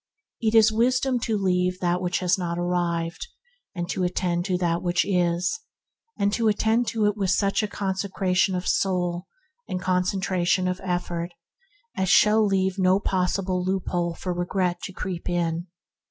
It is wisdom to leave what has not arrived, and to attend to what is; and to attend to it with such consecration of soul and concentration of effort as shall leave no possible loophole for regret to creep in.